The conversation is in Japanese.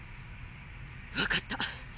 わかった。